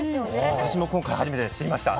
私も今回初めて知りました。